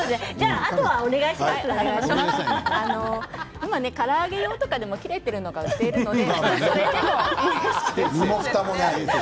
今、から揚げ用とかで切れている肉を売っていますから。